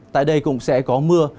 tại đây cũng sẽ có mưa